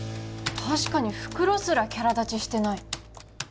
確かに袋すらキャラ立ちしてない